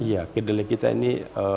ya kedelai kita ini